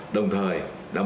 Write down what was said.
đồng thời đảm bộ